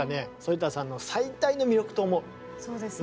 そうですね。